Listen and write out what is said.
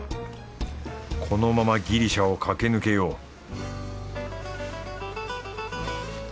このままギリシャを駆け抜けよう